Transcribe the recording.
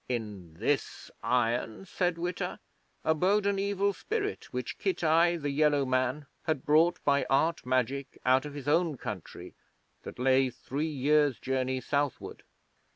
In this iron, said Witta, abode an Evil Spirit which Kitai, the Yellow Man, had brought by Art Magic out of his own country that lay three years' journey southward.